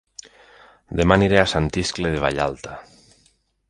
Dema aniré a Sant Iscle de Vallalta